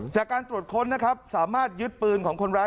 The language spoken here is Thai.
จากการตรวจค้นนะครับสามารถยึดปืนของคนร้าย